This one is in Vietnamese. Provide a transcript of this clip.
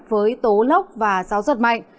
với tố lốc và gió giật mạnh